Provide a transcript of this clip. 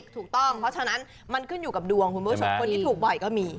ถูกต้องเพราะฉะนั้นมันขึ้นอยู่กับดวงคุณผู้ชมคนที่ถูกบ่อยก็มี